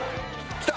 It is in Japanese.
きた！